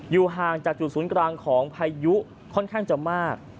ห่างจากจุดศูนย์กลางของพายุค่อนข้างจะมาก